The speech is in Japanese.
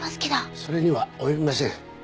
それには及びません。